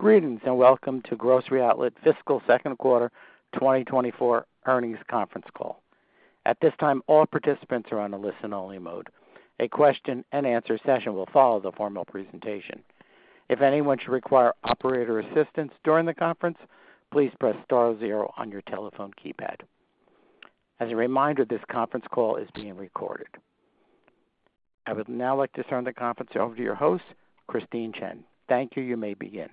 Greetings, and welcome to Grocery Outlet Fiscal Second Quarter 2024 Earnings Conference Call. At this time, all participants are on a listen-only mode. A question and answer session will follow the formal presentation. If anyone should require operator assistance during the conference, please press star zero on your telephone keypad. As a reminder, this conference call is being recorded. I would now like to turn the conference over to your host, Christine Chen. Thank you. You may begin.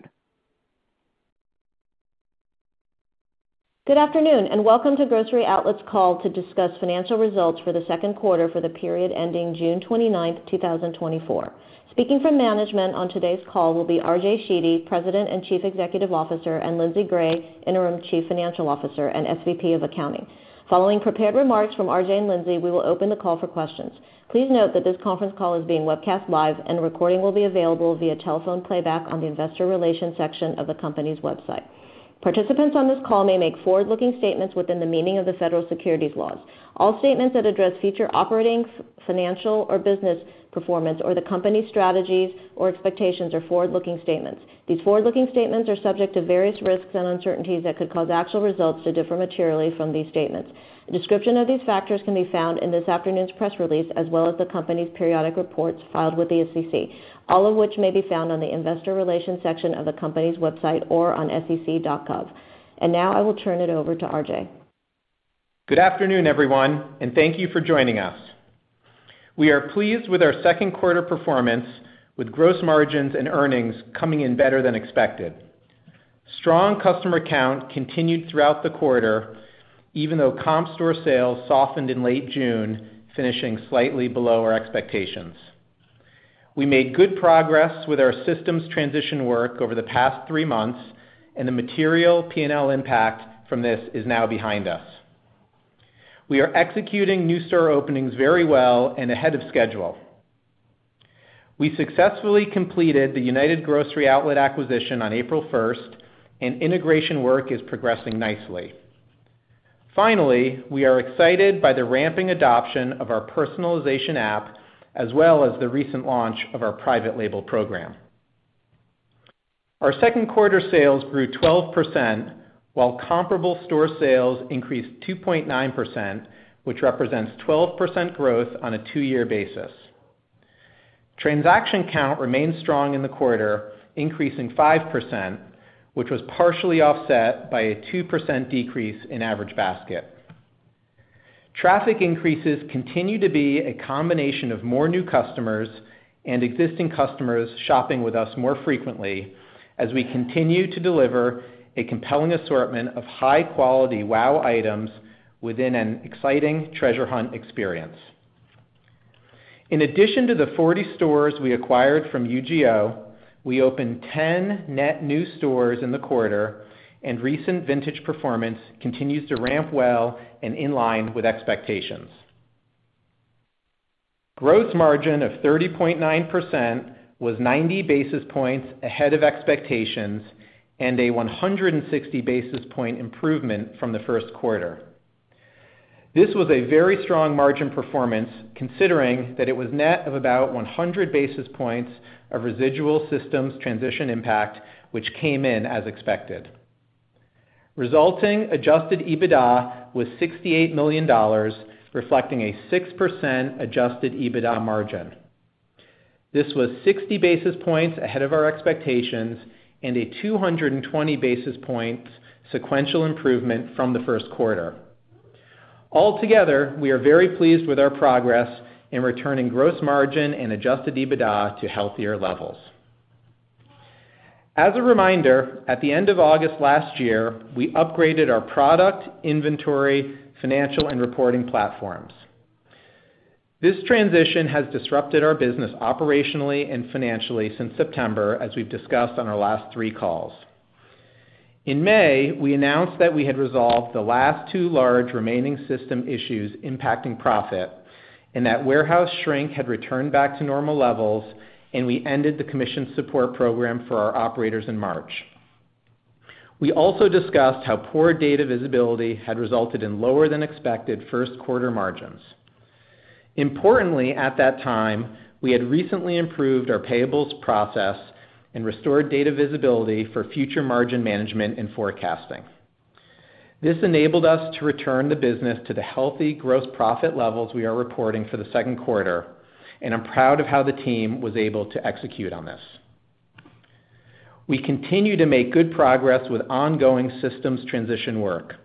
Good afternoon, and welcome to Grocery Outlet's call to discuss financial results for the second quarter for the period ending June 29, 2024. Speaking from management on today's call will be R.J. Sheedy, President and Chief Executive Officer, and Lindsay Gray, Interim Chief Financial Officer and SVP of Accounting. Following prepared remarks from R.J. and Lindsay, we will open the call for questions. Please note that this conference call is being webcast live, and a recording will be available via telephone playback on the investor relations section of the company's website. Participants on this call may make forward-looking statements within the meaning of the federal securities laws. All statements that address future operating, financial, or business performance or the company's strategies or expectations are forward-looking statements. These forward-looking statements are subject to various risks and uncertainties that could cause actual results to differ materially from these statements. A description of these factors can be found in this afternoon's press release, as well as the company's periodic reports filed with the SEC, all of which may be found on the investor relations section of the company's website or on sec.gov. Now I will turn it over to R.J. Good afternoon, everyone, and thank you for joining us. We are pleased with our second quarter performance, with gross margins and earnings coming in better than expected. Strong customer count continued throughout the quarter, even though comp store sales softened in late June, finishing slightly below our expectations. We made good progress with our systems transition work over the past three months, and the material P&L impact from this is now behind us. We are executing new store openings very well and ahead of schedule. We successfully completed the United Grocery Outlet acquisition on April first, and integration work is progressing nicely. Finally, we are excited by the ramping adoption of our personalization app, as well as the recent launch of our private label program. Our second quarter sales grew 12%, while comparable store sales increased 2.9%, which represents 12% growth on a two-year basis. Transaction count remained strong in the quarter, increasing 5%, which was partially offset by a 2% decrease in average basket. Traffic increases continue to be a combination of more new customers and existing customers shopping with us more frequently as we continue to deliver a compelling assortment of high-quality Wow items within an exciting treasure hunt experience. In addition to the 40 stores we acquired from UGO, we opened 10 net new stores in the quarter, and recent vintage performance continues to ramp well and in line with expectations. Gross margin of 30.9% was 90 basis points ahead of expectations and a 160 basis points improvement from the first quarter. This was a very strong margin performance, considering that it was net of about 100 basis points of residual systems transition impact, which came in as expected. Resulting adjusted EBITDA was $68 million, reflecting a 6% adjusted EBITDA margin. This was 60 basis points ahead of our expectations and a 220 basis points sequential improvement from the first quarter. Altogether, we are very pleased with our progress in returning gross margin and adjusted EBITDA to healthier levels. As a reminder, at the end of August last year, we upgraded our product, inventory, financial and reporting platforms. This transition has disrupted our business operationally and financially since September, as we've discussed on our last three calls. In May, we announced that we had resolved the last two large remaining system issues impacting profit and that warehouse shrink had returned back to normal levels, and we ended the commission support program for our operators in March. We also discussed how poor data visibility had resulted in lower than expected first quarter margins. Importantly, at that time, we had recently improved our payables process and restored data visibility for future margin management and forecasting. This enabled us to return the business to the healthy gross profit levels we are reporting for the second quarter, and I'm proud of how the team was able to execute on this. We continue to make good progress with ongoing systems transition work.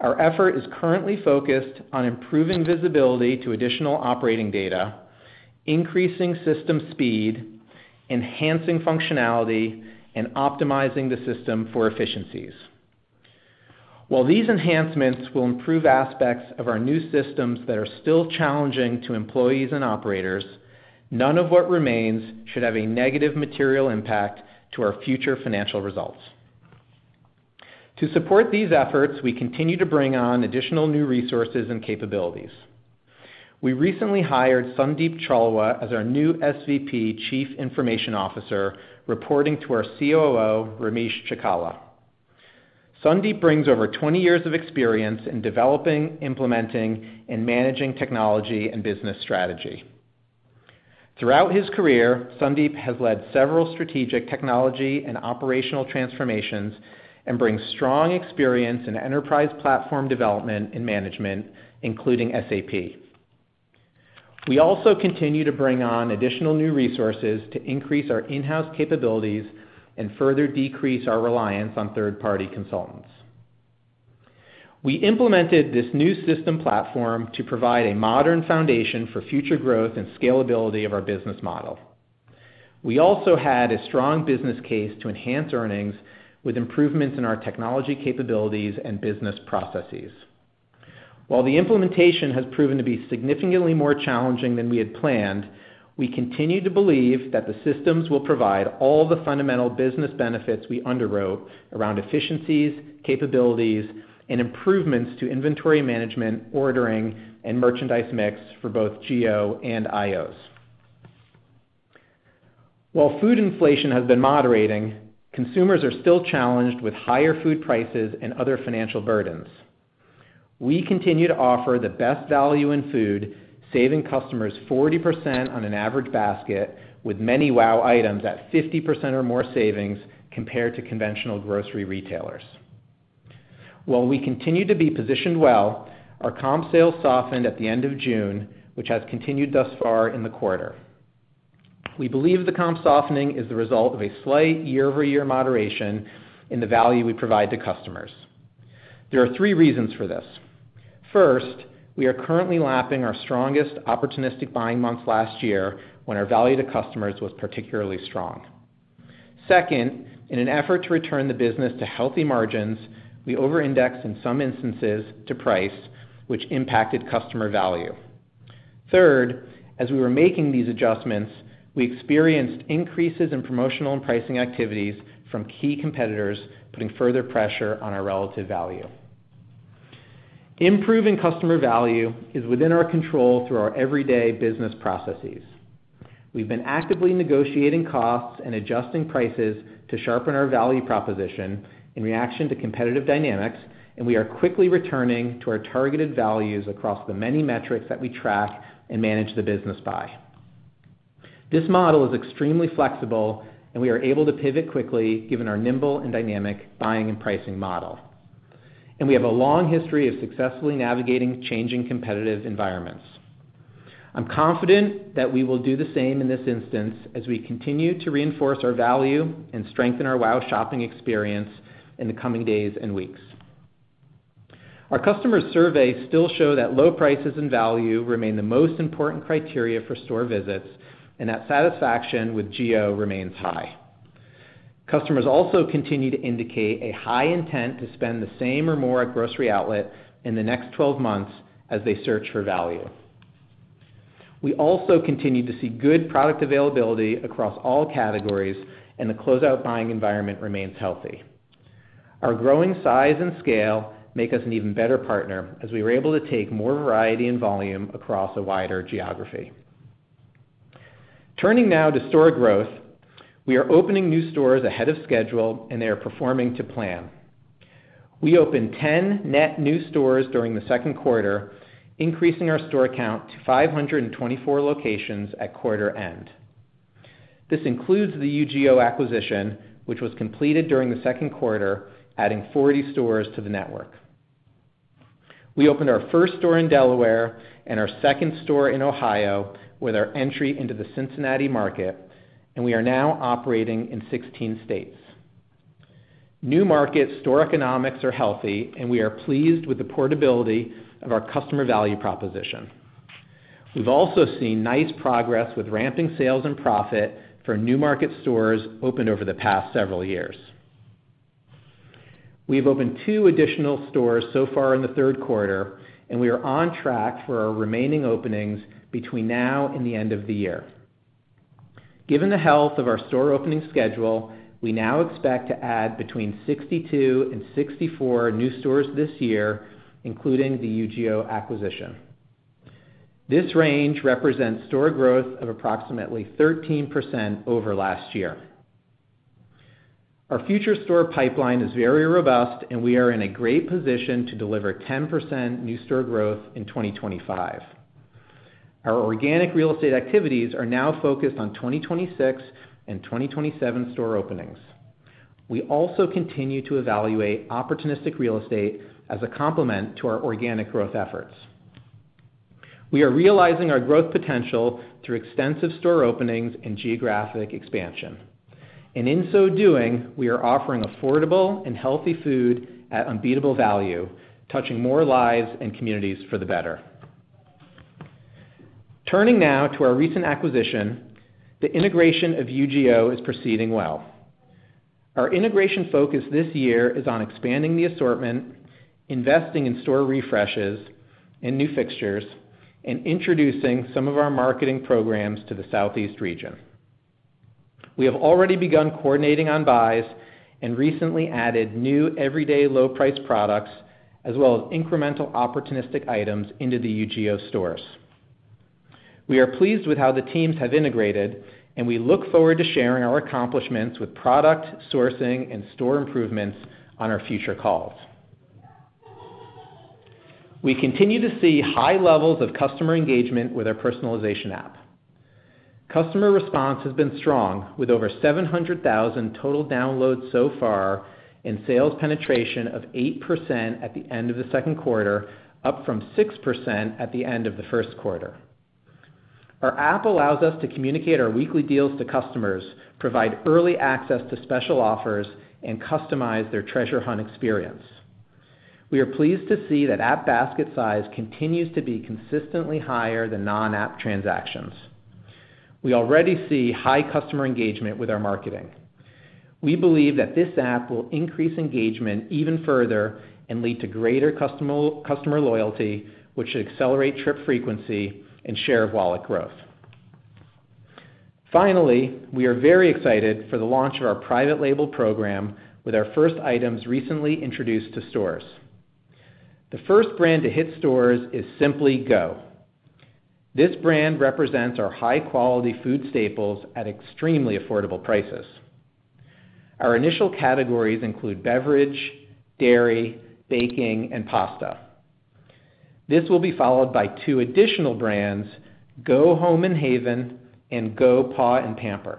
Our effort is currently focused on improving visibility to additional operating data, increasing system speed, enhancing functionality, and optimizing the system for efficiencies. While these enhancements will improve aspects of our new systems that are still challenging to employees and operators, none of what remains should have a negative material impact to our future financial results. To support these efforts, we continue to bring on additional new resources and capabilities. We recently hired Sundeep Chawla as our new SVP Chief Information Officer, reporting to our COO, Ramesh Chikkala. Sundeep brings over 20 years of experience in developing, implementing, and managing technology and business strategy. Throughout his career, Sundeep has led several strategic technology and operational transformations, and brings strong experience in enterprise platform development and management, including SAP. We also continue to bring on additional new resources to increase our in-house capabilities and further decrease our reliance on third-party consultants. We implemented this new system platform to provide a modern foundation for future growth and scalability of our business model. We also had a strong business case to enhance earnings with improvements in our technology capabilities and business processes. While the implementation has proven to be significantly more challenging than we had planned, we continue to believe that the systems will provide all the fundamental business benefits we underwrote around efficiencies, capabilities, and improvements to inventory management, ordering, and merchandise mix for both GO and IOs. While food inflation has been moderating, consumers are still challenged with higher food prices and other financial burdens. We continue to offer the best value in food, saving customers 40% on an average basket, with many Wow Items at 50% or more savings compared to conventional grocery retailers. While we continue to be positioned well, our comp sales softened at the end of June, which has continued thus far in the quarter. We believe the comp softening is the result of a slight year-over-year moderation in the value we provide to customers. There are three reasons for this. First, we are currently lapping our strongest opportunistic buying months last year, when our value to customers was particularly strong. Second, in an effort to return the business to healthy margins, we over-indexed in some instances to price, which impacted customer value. Third, as we were making these adjustments, we experienced increases in promotional and pricing activities from key competitors, putting further pressure on our relative value. Improving customer value is within our control through our everyday business processes. We've been actively negotiating costs and adjusting prices to sharpen our value proposition in reaction to competitive dynamics, and we are quickly returning to our targeted values across the many metrics that we track and manage the business by. This model is extremely flexible, and we are able to pivot quickly, given our nimble and dynamic buying and pricing model. We have a long history of successfully navigating changing competitive environments. I'm confident that we will do the same in this instance, as we continue to reinforce our value and strengthen our Wow shopping experience in the coming days and weeks. Our customer surveys still show that low prices and value remain the most important criteria for store visits, and that satisfaction with GO remains high. Customers also continue to indicate a high intent to spend the same or more at Grocery Outlet in the next twelve months as they search for value. We also continue to see good product availability across all categories, and the closeout buying environment remains healthy. Our growing size and scale make us an even better partner, as we are able to take more variety and volume across a wider geography. Turning now to store growth, we are opening new stores ahead of schedule, and they are performing to plan. We opened 10 net new stores during the second quarter, increasing our store count to 524 locations at quarter end. This includes the UGO acquisition, which was completed during the second quarter, adding 40 stores to the network. We opened our first store in Delaware and our second store in Ohio with our entry into the Cincinnati market, and we are now operating in 16 states. New market store economics are healthy, and we are pleased with the portability of our customer value proposition. We've also seen nice progress with ramping sales and profit for new market stores opened over the past several years. We've opened 2 additional stores so far in the third quarter, and we are on track for our remaining openings between now and the end of the year. Given the health of our store opening schedule, we now expect to add between 62 and 64 new stores this year, including the UGO acquisition. This range represents store growth of approximately 13% over last year. Our future store pipeline is very robust, and we are in a great position to deliver 10% new store growth in 2025. Our organic real estate activities are now focused on 2026 and 2027 store openings. We also continue to evaluate opportunistic real estate as a complement to our organic growth efforts. We are realizing our growth potential through extensive store openings and geographic expansion. In so doing, we are offering affordable and healthy food at unbeatable value, touching more lives and communities for the better. Turning now to our recent acquisition, the integration of UGO is proceeding well. Our integration focus this year is on expanding the assortment, investing in store refreshes and new fixtures, and introducing some of our marketing programs to the Southeast region. We have already begun coordinating on buys and recently added new everyday low price products, as well as incremental opportunistic items into the UGO stores. We are pleased with how the teams have integrated, and we look forward to sharing our accomplishments with product, sourcing, and store improvements on our future calls. We continue to see high levels of customer engagement with our personalization app. Customer response has been strong, with over 700,000 total downloads so far and sales penetration of 8% at the end of the second quarter, up from 6% at the end of the first quarter. Our app allows us to communicate our weekly deals to customers, provide early access to special offers, and customize their treasure hunt experience. We are pleased to see that app basket size continues to be consistently higher than non-app transactions. We already see high customer engagement with our marketing. We believe that this app will increase engagement even further and lead to greater customer loyalty, which should accelerate trip frequency and share of wallet growth. Finally, we are very excited for the launch of our private label program, with our first items recently introduced to stores. The first brand to hit stores is SimplyGO. This brand represents our high-quality food staples at extremely affordable prices. Our initial categories include beverage, dairy, baking, and pasta. This will be followed by two additional brands, GO Home & Haven and GO Paw & Pamper.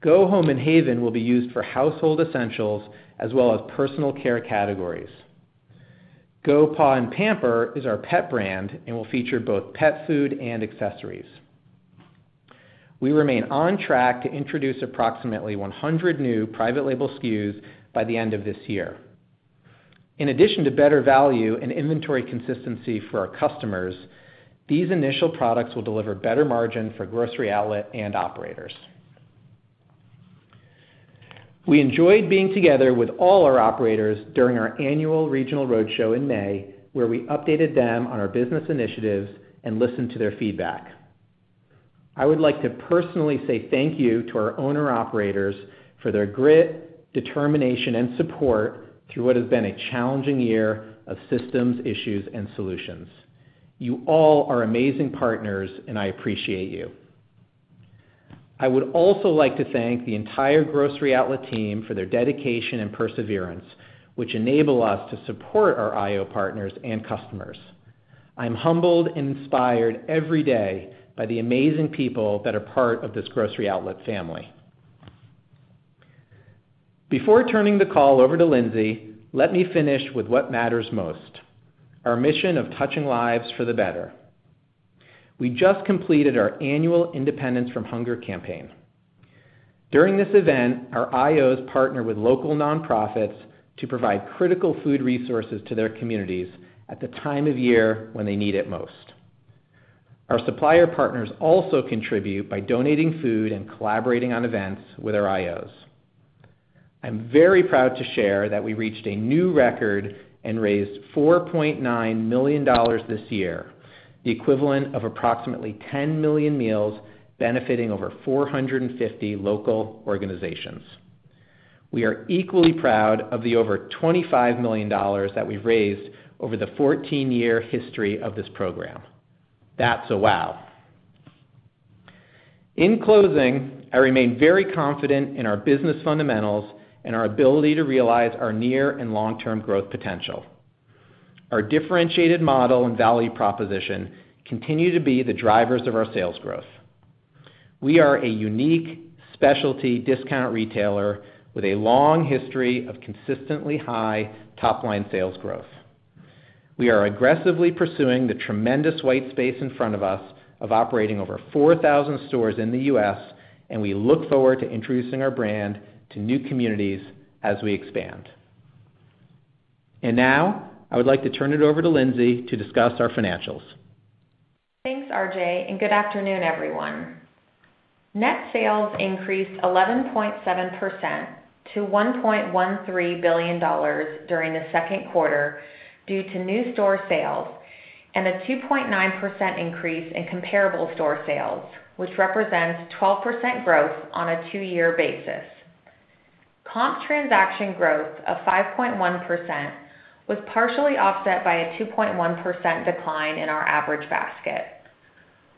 GO Home & Haven will be used for household essentials as well as personal care categories. GO Paw & Pamper is our pet brand and will feature both pet food and accessories. We remain on track to introduce approximately 100 new private label SKUs by the end of this year. In addition to better value and inventory consistency for our customers, these initial products will deliver better margin for Grocery Outlet and operators. We enjoyed being together with all our operators during our annual regional roadshow in May, where we updated them on our business initiatives and listened to their feedback. I would like to personally say thank you to our owner-operators for their grit, determination, and support through what has been a challenging year of systems, issues, and solutions. You all are amazing partners, and I appreciate you. I would also like to thank the entire Grocery Outlet team for their dedication and perseverance, which enable us to support our IO partners and customers. I'm humbled and inspired every day by the amazing people that are part of this Grocery Outlet family. Before turning the call over to Lindsay, let me finish with what matters most, our mission of touching lives for the better. We just completed our annual Independence from Hunger campaign. During this event, our IOs partner with local nonprofits to provide critical food resources to their communities at the time of year when they need it most. Our supplier partners also contribute by donating food and collaborating on events with our IOs. I'm very proud to share that we reached a new record and raised $4.9 million this year, the equivalent of approximately 10 million meals, benefiting over 450 local organizations. We are equally proud of the over $25 million that we've raised over the 14-year history of this program. That's a wow! In closing, I remain very confident in our business fundamentals and our ability to realize our near and long-term growth potential. Our differentiated model and value proposition continue to be the drivers of our sales growth. We are a unique specialty discount retailer with a long history of consistently high top-line sales growth. We are aggressively pursuing the tremendous white space in front of us of operating over 4,000 stores in the U.S., and we look forward to introducing our brand to new communities as we expand. Now, I would like to turn it over to Lindsay to discuss our financials. Thanks, R.J., and good afternoon, everyone. Net sales increased 11.7% to $1.13 billion during the second quarter due to new store sales and a 2.9% increase in comparable store sales, which represents 12% growth on a two-year basis. Comp transaction growth of 5.1% was partially offset by a 2.1% decline in our average basket.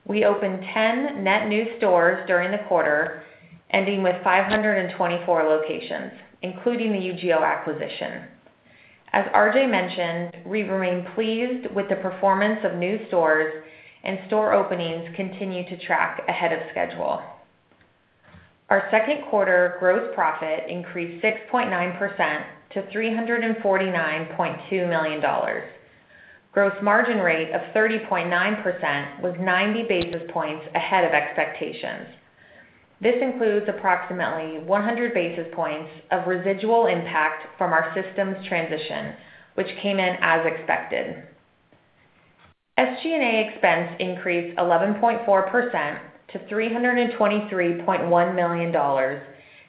We opened 10 net new stores during the quarter, ending with 524 locations, including the UGO acquisition. As RJ mentioned, we remain pleased with the performance of new stores, and store openings continue to track ahead of schedule. Our second quarter gross profit increased 6.9% to $349.2 million. Gross margin rate of 30.9% was 90 basis points ahead of expectations. This includes approximately 100 basis points of residual impact from our systems transition, which came in as expected. SG&A expense increased 11.4% to $323.1 million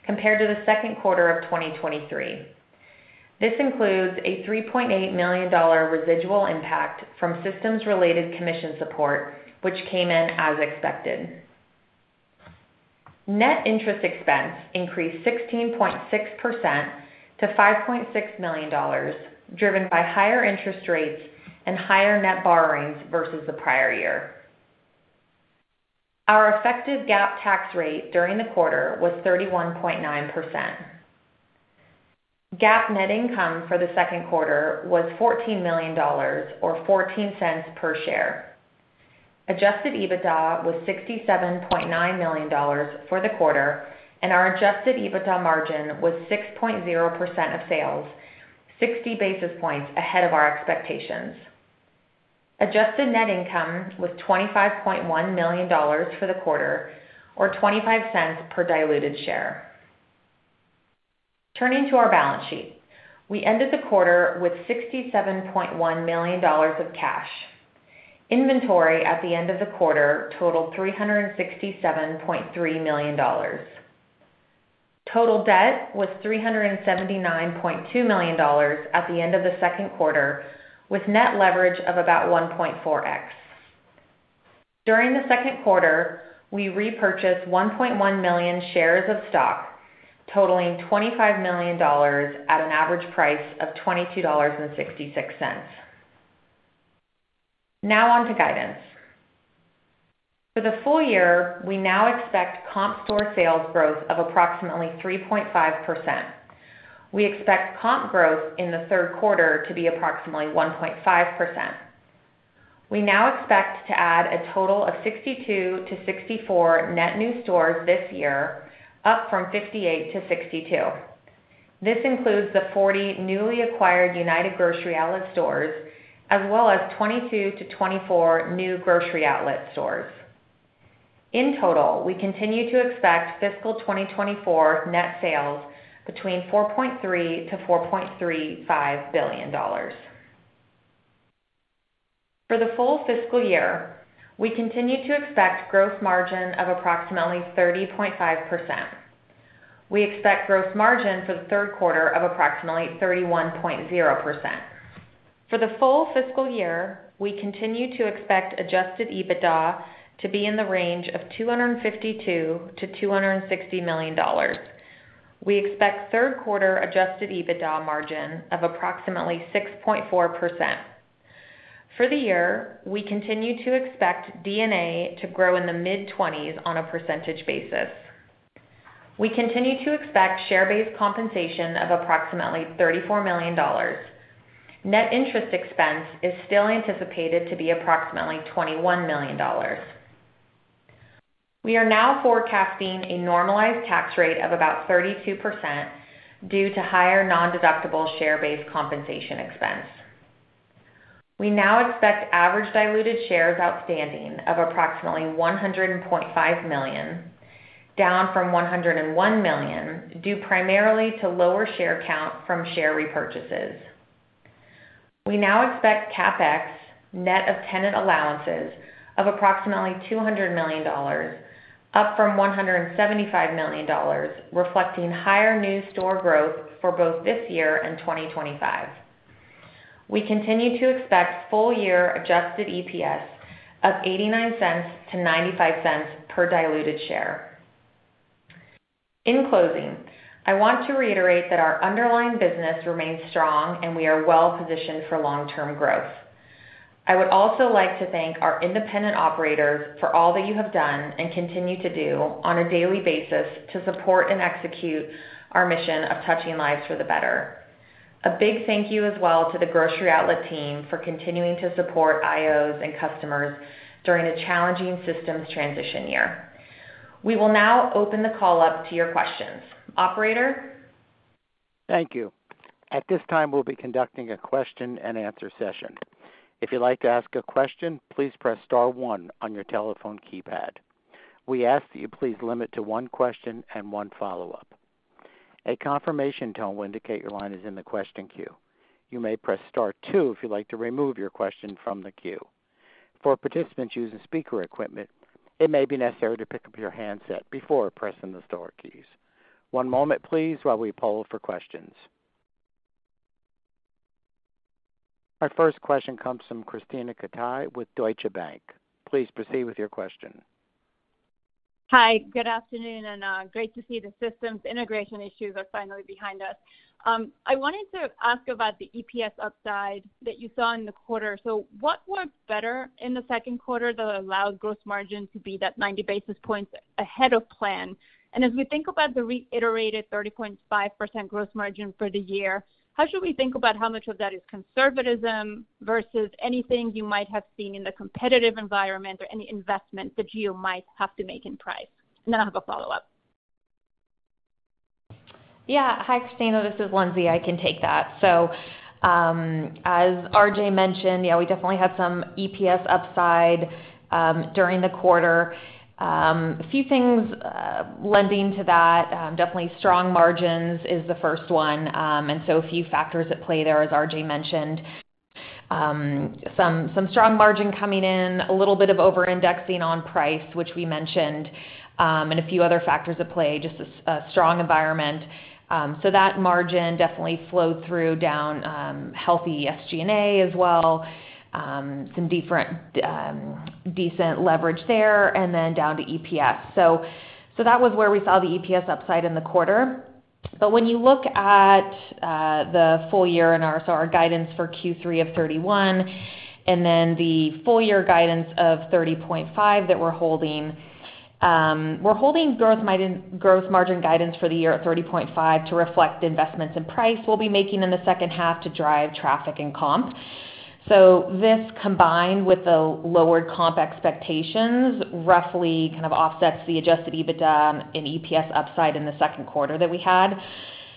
compared to the second quarter of 2023. This includes a $3.8 million-dollar residual impact from systems-related commission support, which came in as expected. Net interest expense increased 16.6% to $5.6 million, driven by higher interest rates and higher net borrowings versus the prior year. Our effective GAAP tax rate during the quarter was 31.9%. GAAP net income for the second quarter was $14 million or $0.14 per share. Adjusted EBITDA was $67.9 million for the quarter, and our adjusted EBITDA margin was 6.0% of sales, 60 basis points ahead of our expectations. Adjusted net income was $25.1 million for the quarter, or $0.25 per diluted share. Turning to our balance sheet. We ended the quarter with $67.1 million of cash. Inventory at the end of the quarter totaled $367.3 million. Total debt was $379.2 million at the end of the second quarter, with net leverage of about 1.4x. During the second quarter, we repurchased 1.1 million shares of stock, totaling $25 million at an average price of $22.66. Now on to guidance. For the full year, we now expect comp store sales growth of approximately 3.5%. We expect comp growth in the third quarter to be approximately 1.5%. We now expect to add a total of 62-64 net new stores this year, up from 58-62. This includes the 40 newly acquired United Grocery Outlet stores, as well as 22-24 new Grocery Outlet stores. In total, we continue to expect fiscal 2024 net sales between $4.3 billion-$4.35 billion. For the full fiscal year, we continue to expect gross margin of approximately 30.5%. We expect gross margin for the third quarter of approximately 31.0%. For the full fiscal year, we continue to expect adjusted EBITDA to be in the range of $252 million-$260 million. We expect third quarter adjusted EBITDA margin of approximately 6.4%. For the year, we continue to expect D&A to grow in the mid-20s%. We continue to expect share-based compensation of approximately $34 million. Net interest expense is still anticipated to be approximately $21 million. We are now forecasting a normalized tax rate of about 32% due to higher nondeductible share-based compensation expense. We now expect average diluted shares outstanding of approximately 100.5 million, down from 101 million, due primarily to lower share count from share repurchases. We now expect CapEx net of tenant allowances of approximately $200 million, up from $175 million, reflecting higher new store growth for both this year and 2025. We continue to expect full year adjusted EPS of $0.89-$0.95 per diluted share. In closing, I want to reiterate that our underlying business remains strong, and we are well positioned for long-term growth. I would also like to thank our independent operators for all that you have done and continue to do on a daily basis to support and execute our mission of touching lives for the better. A big thank you as well to the Grocery Outlet team for continuing to support IOs and customers during a challenging systems transition year. We will now open the call up to your questions. Operator? Thank you. At this time, we'll be conducting a question and answer session. If you'd like to ask a question, please press star one on your telephone keypad. We ask that you please limit to one question and one follow-up. A confirmation tone will indicate your line is in the question queue. You may press star two if you'd like to remove your question from the queue. For participants using speaker equipment, it may be necessary to pick up your handset before pressing the star keys. One moment, please, while we poll for questions. Our first question comes from Krisztina Katai with Deutsche Bank. Please proceed with your question. Hi, good afternoon, and great to see the systems integration issues are finally behind us. I wanted to ask about the EPS upside that you saw in the quarter. So what worked better in the second quarter that allowed gross margin to be that 90 basis points ahead of plan? And as we think about the reiterated 30.5% gross margin for the year, how should we think about how much of that is conservatism versus anything you might have seen in the competitive environment or any investment that you might have to make in price? And then I have a follow-up. Yeah. Hi, Christine, this is Lindsay. I can take that. So, as R.J. mentioned, yeah, we definitely had some EPS upside during the quarter. A few things leading to that, definitely strong margins is the first one. And so a few factors at play there, as R.J. mentioned. Some strong margin coming in, a little bit of over-indexing on price, which we mentioned, and a few other factors at play, just a strong environment. So that margin definitely flowed through down, healthy SG&A as well, some decent leverage there, and then down to EPS. So that was where we saw the EPS upside in the quarter. But when you look at the full year and our, so our guidance for Q3 of 31, and then the full year guidance of 30.5 that we're holding, we're holding gross margin guidance for the year at 30.5 to reflect the investments in price we'll be making in the second half to drive traffic and comp. So this, combined with the lowered comp expectations, roughly kind of offsets the Adjusted EBITDA and EPS upside in the second quarter that we had.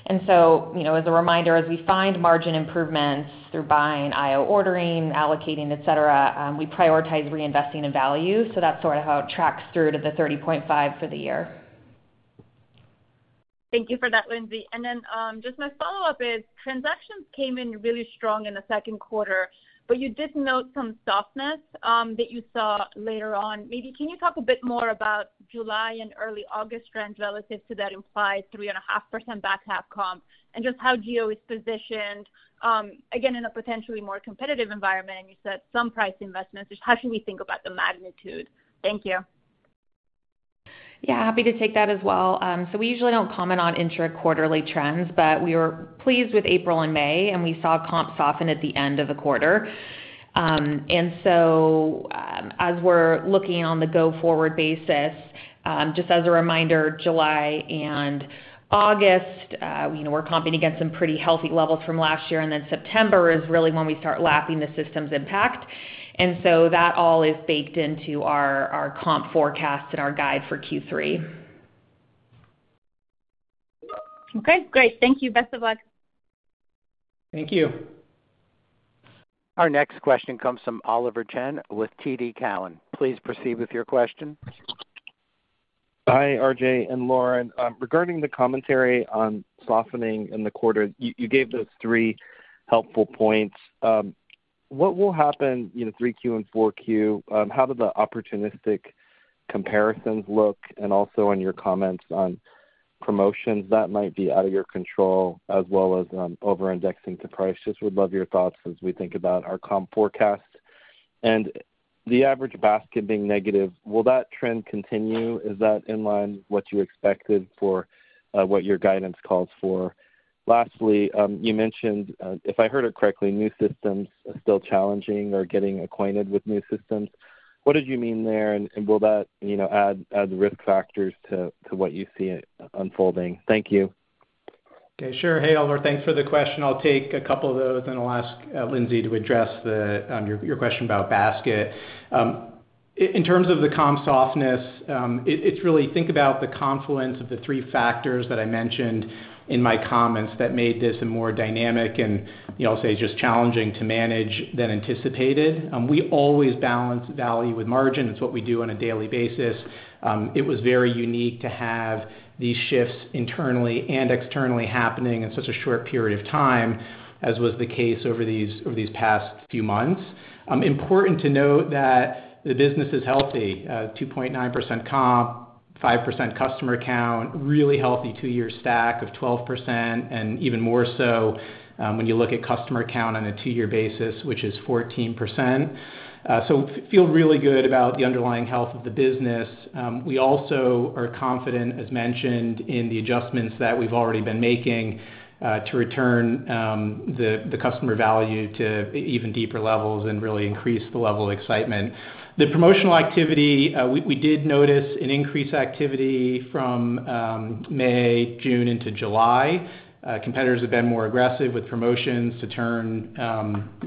And so, you know, as a reminder, as we find margin improvements through buying IO, ordering, allocating, et cetera, we prioritize reinvesting in value. So that's sort of how it tracks through to the 30.5 for the year. Thank you for that, Lindsay. And then, just my follow-up is, transactions came in really strong in the second quarter, but you did note some softness, that you saw later on. Maybe can you talk a bit more about July and early August trends relative to that implied 3.5% back half comp, and just how GO is positioned, again, in a potentially more competitive environment, and you said some price investments. Just how should we think about the magnitude? Thank you. Yeah, happy to take that as well. So we usually don't comment on intra-quarterly trends, but we were pleased with April and May, and we saw comps soften at the end of the quarter. And so, as we're looking on the go-forward basis, just as a reminder, July and August, you know, we're comping against some pretty healthy levels from last year, and then September is really when we start lapping the systems impact. And so that all is baked into our, our comp forecast and our guide for Q3. Okay, great. Thank you. Best of luck. Thank you. Our next question comes from Oliver Chen with TD Cowen. Please proceed with your question. Hi, R.J. and Lindsay. Regarding the commentary on softening in the quarter, you, you gave those three helpful points. What will happen, you know, 3Q and 4Q, how do the opportunistic comparisons look? And also in your comments on promotions that might be out of your control as well as over-indexing to price. Just would love your thoughts as we think about our comp forecast. And the average basket being negative, will that trend continue? Is that in line what you expected for, what your guidance calls for? Lastly, you mentioned, if I heard it correctly, new systems are still challenging or getting acquainted with new systems. What did you mean there, and will that, you know, add risk factors to what you see unfolding? Thank you. Okay, sure. Hey, Oliver, thanks for the question. I'll take a couple of those, and I'll ask Lindsay to address your question about basket. In terms of the comp softness, it's really, think about the confluence of the three factors that I mentioned in my comments that made this a more dynamic and, you know, I'll say, just challenging to manage than anticipated. We always balance value with margin. It's what we do on a daily basis. It was very unique to have these shifts internally and externally happening in such a short period of time, as was the case over these past few months. Important to note that the business is healthy, 2.9% comp, 5% customer count, really healthy two-year stack of 12%, and even more so, when you look at customer count on a two-year basis, which is 14%. So feel really good about the underlying health of the business. We also are confident, as mentioned, in the adjustments that we've already been making, to return the customer value to even deeper levels and really increase the level of excitement. The promotional activity, we did notice an increased activity from May, June into July. Competitors have been more aggressive with promotions to turn,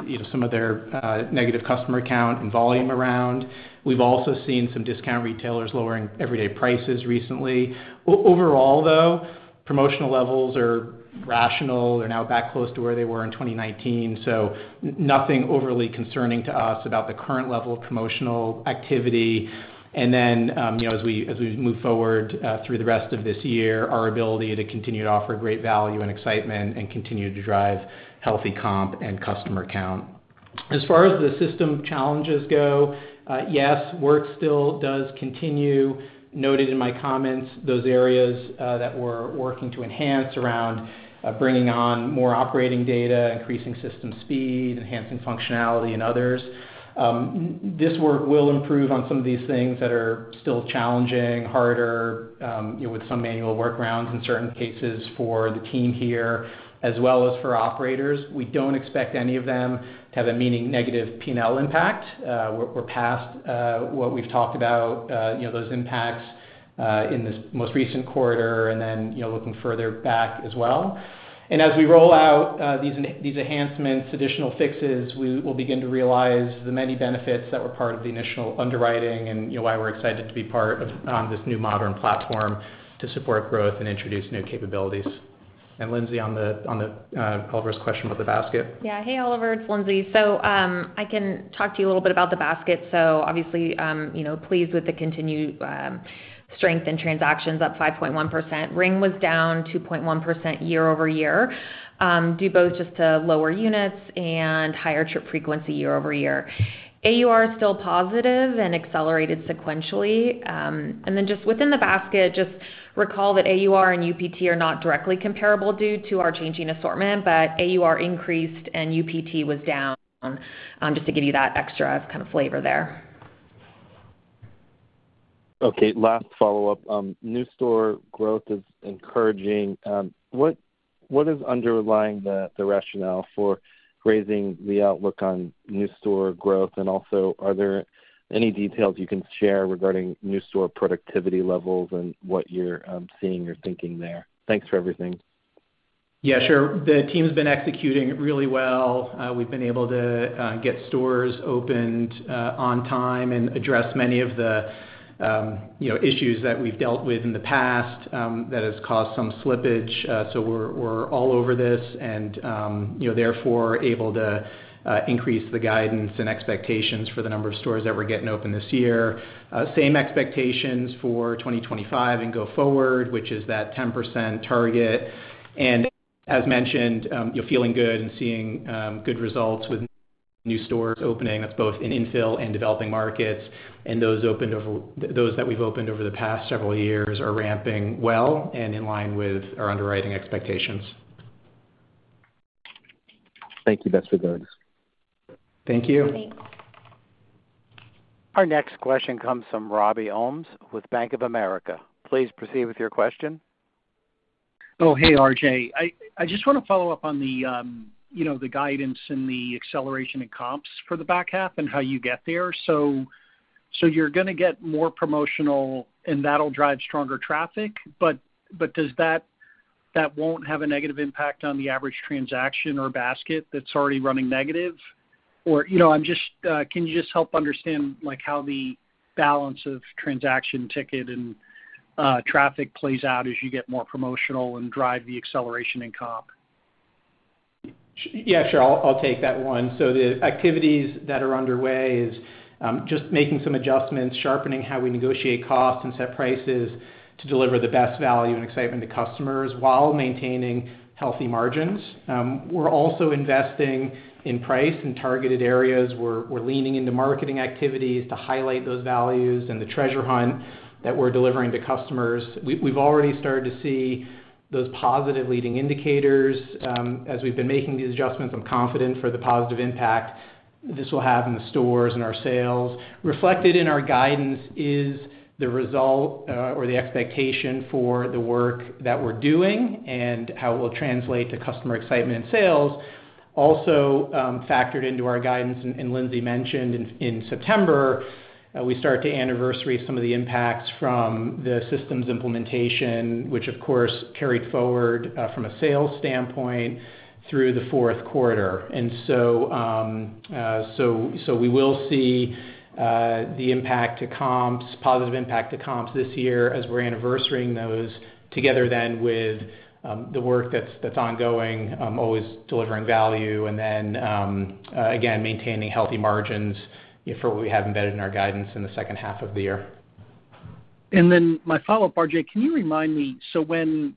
you know, some of their negative customer count and volume around. We've also seen some discount retailers lowering everyday prices recently. Overall, though, promotional levels are rational. They're now back close to where they were in 2019, so nothing overly concerning to us about the current level of promotional activity. And then, you know, as we move forward through the rest of this year, our ability to continue to offer great value and excitement and continue to drive healthy comp and customer count. As far as the system challenges go, yes, work still does continue. Noted in my comments, those areas that we're working to enhance around bringing on more operating data, increasing system speed, enhancing functionality and others. This work will improve on some of these things that are still challenging, harder, you know, with some manual workarounds in certain cases for the team here, as well as for operators. We don't expect any of them to have a meaningful negative P&L impact. We're past what we've talked about, you know, those impacts in this most recent quarter, and then, you know, looking further back as well. And as we roll out these enhancements, additional fixes, we will begin to realize the many benefits that were part of the initial underwriting and, you know, why we're excited to be part of this new modern platform to support growth and introduce new capabilities. And Lindsay, on the Oliver's question about the basket. Yeah. Hey, Oliver, it's Lindsay. So, I can talk to you a little bit about the basket. So obviously, you know, pleased with the continued strength in transactions, up 5.1%. Ring was down 2.1% year-over-year, due both just to lower units and higher trip frequency year-over-year. AUR is still positive and accelerated sequentially. And then just within the basket, just recall that AUR and UPT are not directly comparable due to our changing assortment, but AUR increased and UPT was down, just to give you that extra kind of flavor there. ... Okay, last follow-up. New store growth is encouraging. What is underlying the rationale for raising the outlook on new store growth? And also, are there any details you can share regarding new store productivity levels and what you're seeing or thinking there? Thanks for everything. Yeah, sure. The team's been executing really well. We've been able to get stores opened on time and address many of the, you know, issues that we've dealt with in the past that has caused some slippage. So we're all over this and, you know, therefore, able to increase the guidance and expectations for the number of stores that we're getting open this year. Same expectations for 2025 and go forward, which is that 10% target. And as mentioned, you're feeling good and seeing good results with new stores opening. That's both in infill and developing markets, and those that we've opened over the past several years are ramping well and in line with our underwriting expectations. Thank you. That's very good. Thank you. Thanks. Our next question comes from Robbie Ohmes with Bank of America. Please proceed with your question. Oh, hey, R.J. I just wanna follow up on the, you know, the guidance and the acceleration in comps for the back half and how you get there. So you're gonna get more promotional, and that'll drive stronger traffic, but does that, that won't have a negative impact on the average transaction or basket that's already running negative? Or, you know, I'm just. Can you just help understand, like, how the balance of transaction ticket and traffic plays out as you get more promotional and drive the acceleration in comp? Yeah, sure. I'll, I'll take that one. So the activities that are underway is just making some adjustments, sharpening how we negotiate costs and set prices to deliver the best value and excitement to customers while maintaining healthy margins. We're also investing in price and targeted areas, we're, we're leaning into marketing activities to highlight those values and the treasure hunt that we're delivering to customers. We've, we've already started to see those positive leading indicators. As we've been making these adjustments, I'm confident for the positive impact this will have in the stores and our sales. Reflected in our guidance is the result, or the expectation for the work that we're doing and how it will translate to customer excitement and sales. Also, factored into our guidance, and Lindsay mentioned in September, we start to anniversary some of the impacts from the systems implementation, which, of course, carried forward from a sales standpoint through the fourth quarter. And so, we will see the impact to comps, positive impact to comps this year as we're anniversarying those together then with the work that's ongoing, always delivering value, and then, again, maintaining healthy margins for what we have embedded in our guidance in the second half of the year. And then my follow-up, RJ, can you remind me, so when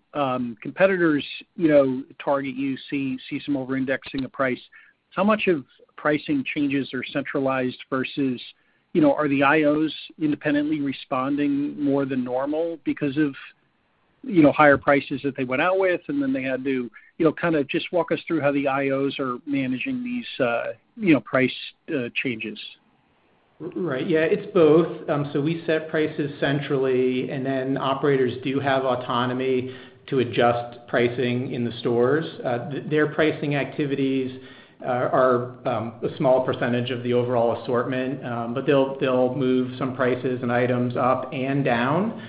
competitors, you know, target you, see some over-indexing of price, how much of pricing changes are centralized versus, you know, are the IOs independently responding more than normal because of, you know, higher prices that they went out with, and then they had to... You know, kind of just walk us through how the IOs are managing these, you know, price changes. Right. Yeah, it's both. So we set prices centrally, and then operators do have autonomy to adjust pricing in the stores. Their pricing activities are a small percentage of the overall assortment, but they'll move some prices and items up and down,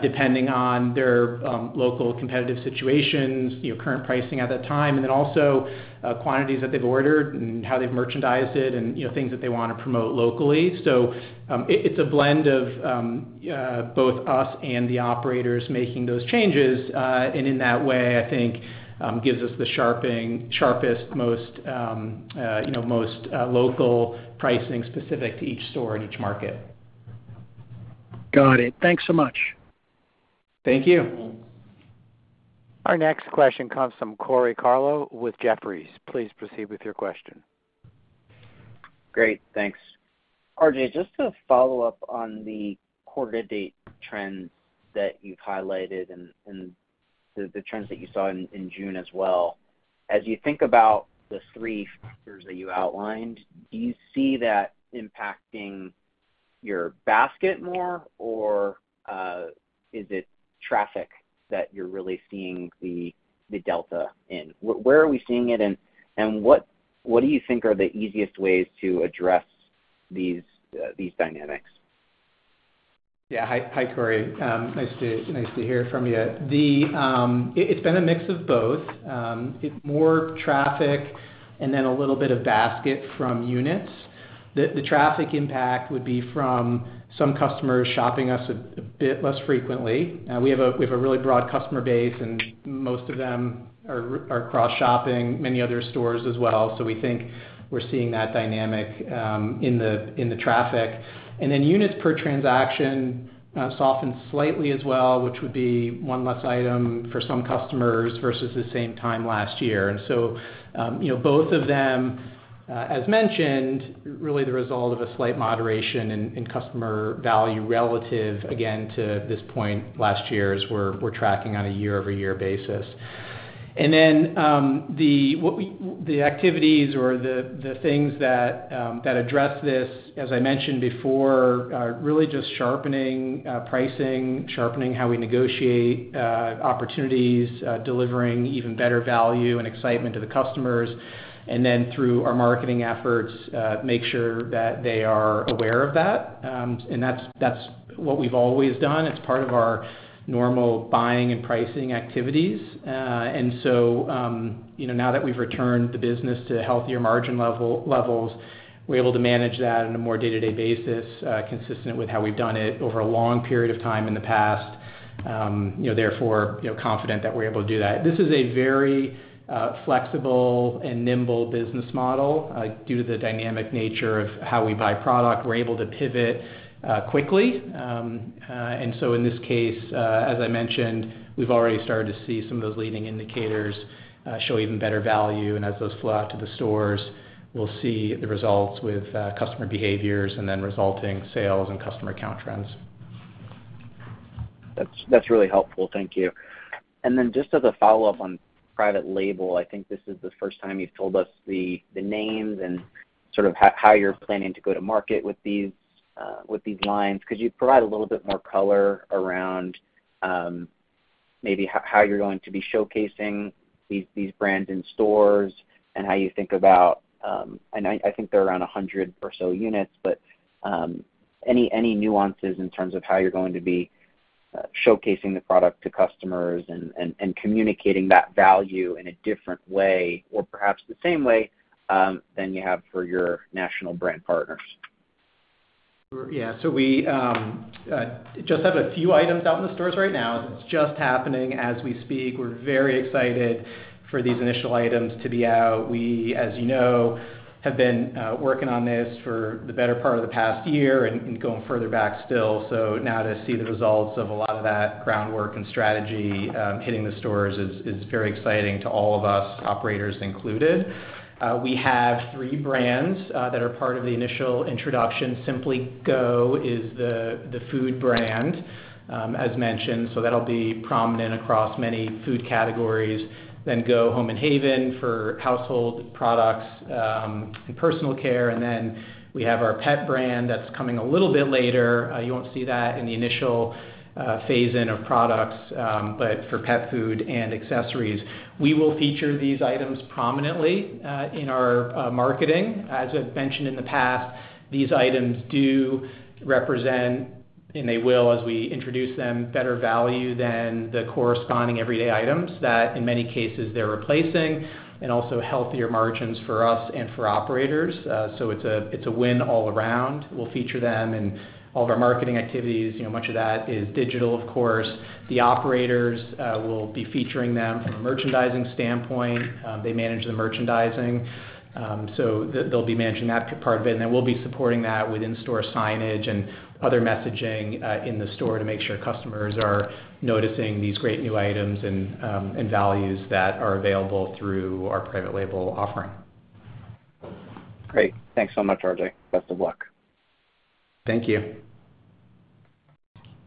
depending on their local competitive situations, you know, current pricing at that time, and then also quantities that they've ordered and how they've merchandised it and, you know, things that they wanna promote locally. So it's a blend of both us and the operators making those changes, and in that way, I think gives us the sharpest, most, you know, most local pricing specific to each store in each market. Got it. Thanks so much. Thank you. Our next question comes from Corey Tarlowe with Jefferies. Please proceed with your question. Great, thanks. R.J., just to follow up on the quarter to date trends that you've highlighted and the trends that you saw in June as well. As you think about the three factors that you outlined, do you see that impacting your basket more, or is it traffic that you're really seeing the delta in? Where are we seeing it, and what do you think are the easiest ways to address these dynamics? Yeah. Hi, hi, Corey. Nice to hear from you. It's been a mix of both. It's more traffic and then a little bit of basket from units. The traffic impact would be from some customers shopping us a bit less frequently. We have a really broad customer base, and most of them are cross-shopping many other stores as well. So we think we're seeing that dynamic in the traffic. And then units per transaction softened slightly as well, which would be one less item for some customers versus the same time last year. And so, you know, both of them, as mentioned, really the result of a slight moderation in customer value relative, again, to this point last year as we're tracking on a year-over-year basis. And then, the activities or the things that address this, as I mentioned before, are really just sharpening pricing, sharpening how we negotiate opportunities, delivering even better value and excitement to the customers. And then through our marketing efforts, make sure that they are aware of that. And that's what we've always done. It's part of our normal buying and pricing activities. You know, now that we've returned the business to healthier margin levels, we're able to manage that on a more day-to-day basis, consistent with how we've done it over a long period of time in the past. You know, therefore, you know, confident that we're able to do that. This is a very flexible and nimble business model. Due to the dynamic nature of how we buy product, we're able to pivot quickly. And so in this case, as I mentioned, we've already started to see some of those leading indicators show even better value. And as those flow out to the stores, we'll see the results with customer behaviors and then resulting sales and customer count trends. That's, that's really helpful. Thank you. Then just as a follow-up on private label, I think this is the first time you've told us the, the names and sort of how, how you're planning to go to market with these, with these lines. Could you provide a little bit more color around, maybe how, how you're going to be showcasing these, these brands in stores? And how you think about, and I, I think they're around 100 or so units, but, any, any nuances in terms of how you're going to be, showcasing the product to customers and, and, and communicating that value in a different way, or perhaps the same way, than you have for your national brand partners? Yeah. So we just have a few items out in the stores right now. It's just happening as we speak. We're very excited for these initial items to be out. We, as you know, have been working on this for the better part of the past year and going further back still. So now to see the results of a lot of that groundwork and strategy hitting the stores is very exciting to all of us, operators included. We have three brands that are part of the initial introduction. SimplyGO is the food brand, as mentioned, so that'll be prominent across many food categories. Then GO Home & Haven for household products and personal care, and then we have our pet brand that's coming a little bit later. You won't see that in the initial phase-in of products, but for pet food and accessories. We will feature these items prominently in our marketing. As I've mentioned in the past, these items do represent, and they will, as we introduce them, better value than the corresponding everyday items that, in many cases, they're replacing, and also healthier margins for us and for operators. So it's a win all around. We'll feature them in all of our marketing activities. You know, much of that is digital, of course. The operators will be featuring them from a merchandising standpoint. They manage the merchandising, so they'll be managing that part of it, and then we'll be supporting that with in-store signage and other messaging, in the store to make sure customers are noticing these great new items and, and values that are available through our private label offering. Great. Thanks so much, R.J. Best of luck. Thank you.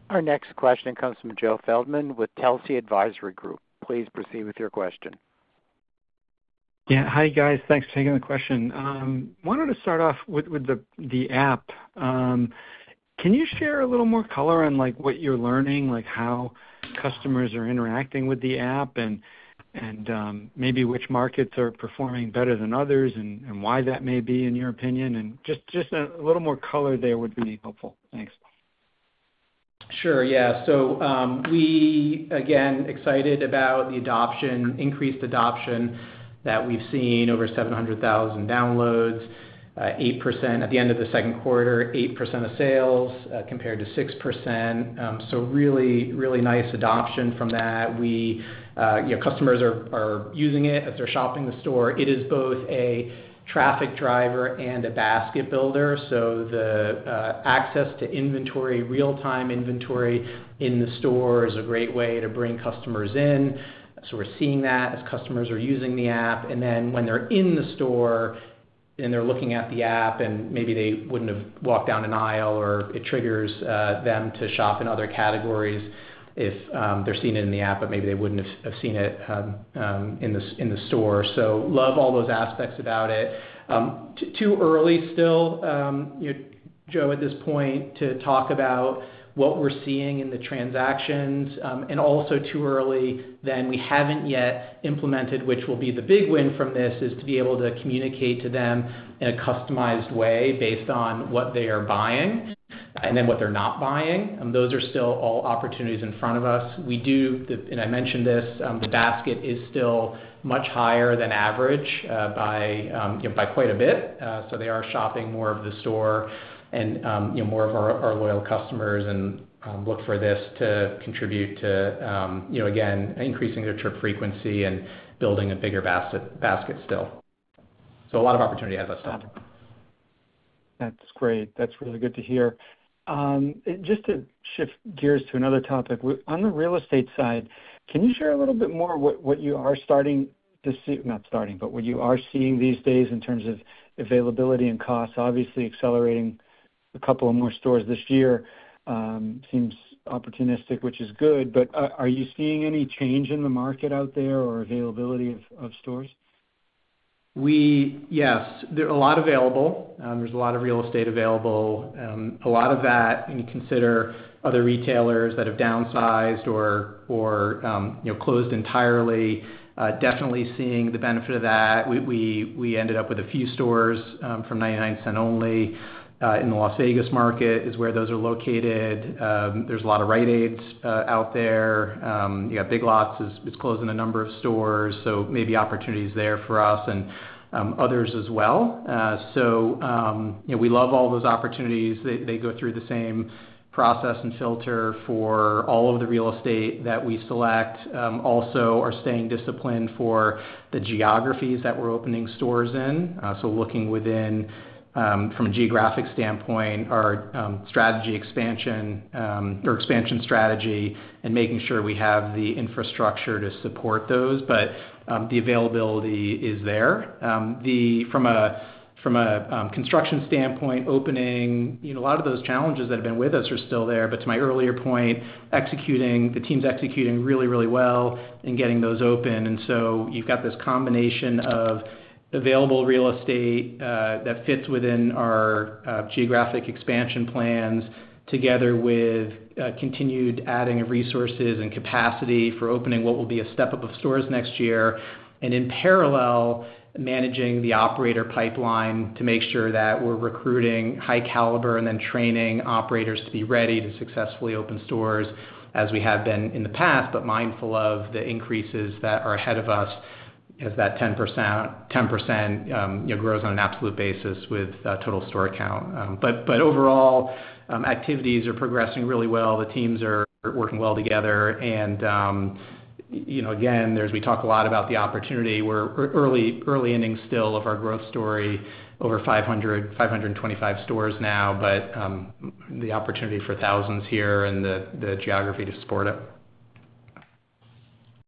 Our next question comes from Joe Feldman with Telsey Advisory Group. Please proceed with your question. Yeah. Hi, guys. Thanks for taking the question. Wanted to start off with the app. Can you share a little more color on, like, what you're learning, like, how customers are interacting with the app, and maybe which markets are performing better than others, and why that may be, in your opinion? And just a little more color there would be helpful. Thanks. Sure. Yeah. So, we again excited about the adoption, increased adoption that we've seen, over 700,000 downloads, 8% at the end of the second quarter, 8% of sales, compared to 6%. So really, really nice adoption from that. We, you know, customers are using it as they're shopping the store. It is both a traffic driver and a basket builder, so the access to inventory, real-time inventory in the store is a great way to bring customers in. So we're seeing that as customers are using the app. And then when they're in the store and they're looking at the app, and maybe they wouldn't have walked down an aisle, or it triggers them to shop in other categories if they're seeing it in the app, but maybe they wouldn't have seen it in the store. So love all those aspects about it. Too early still, you know, Joe, at this point, to talk about what we're seeing in the transactions, and also too early, then we haven't yet implemented, which will be the big win from this, is to be able to communicate to them in a customized way based on what they are buying, and then what they're not buying. Those are still all opportunities in front of us. We do, and I mentioned this, the basket is still much higher than average, by quite a bit. So they are shopping more of the store and you know, more of our, our loyal customers and look for this to contribute to you know, again, increasing their trip frequency and building a bigger basket, basket still. So a lot of opportunity ahead of us, though. That's great. That's really good to hear. Just to shift gears to another topic, on the real estate side, can you share a little bit more what you are starting to just see, not starting, but what you are seeing these days in terms of availability and costs, obviously accelerating a couple of more stores this year, seems opportunistic, which is good. But are you seeing any change in the market out there or availability of stores? Yes, there are a lot available. There's a lot of real estate available. A lot of that, when you consider other retailers that have downsized or, you know, closed entirely, definitely seeing the benefit of that. We ended up with a few stores from 99 Cents Only in the Las Vegas market is where those are located. There's a lot of Rite Aids out there. You got Big Lots it's closing a number of stores, so maybe opportunities there for us and others as well. So, you know, we love all those opportunities. They go through the same process and filter for all of the real estate that we select. Also are staying disciplined for the geographies that we're opening stores in. So looking within, from a geographic standpoint, our strategy expansion, or expansion strategy and making sure we have the infrastructure to support those. But the availability is there. From a construction standpoint, opening, you know, a lot of those challenges that have been with us are still there. But to my earlier point, the team's executing really, really well in getting those open. And so you've got this combination of available real estate that fits within our geographic expansion plans, together with continued adding of resources and capacity for opening what will be a step-up of stores next year. And in parallel, managing the operator pipeline to make sure that we're recruiting high caliber and then training operators to be ready to successfully open stores as we have been in the past, but mindful of the increases that are ahead of us as that 10%, 10%, you know, grows on an absolute basis with total store count. But overall, activities are progressing really well. The teams are working well together, and, you know, again, there's we talk a lot about the opportunity. We're early, early innings still of our growth story, over 500, 525 stores now, but the opportunity for thousands here and the geography to support it.